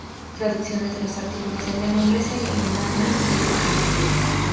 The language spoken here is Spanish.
Traducciones de los artículos en lengua inglesa y alemana de Wikipedia.